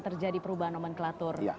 terjadi perubahan nomenklatur